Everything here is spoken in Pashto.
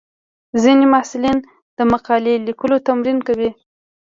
ځینې محصلین د مقالې لیکلو تمرین کوي.